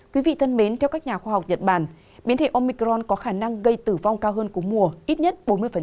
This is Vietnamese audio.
quý vị thân mến theo các nhà khoa học nhật bản biến thể omicron có khả năng gây tử vong cao hơn cú mùa ít nhất bốn mươi